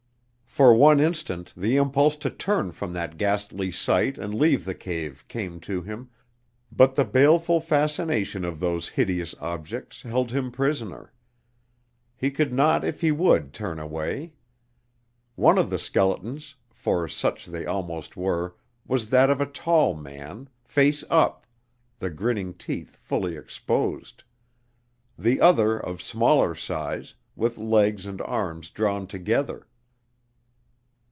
For one instant the impulse to turn from that ghastly sight and leave the cave came to him, but the baleful fascination of those hideous objects held him prisoner. He could not if he would turn away. One of the skeletons, for such they almost were, was that of a tall man, face up, the grinning teeth fully exposed; the other of smaller size, with legs and arms drawn together.